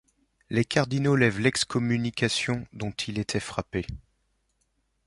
Les cardinaux lèvent l'excommunication dont il était frappé.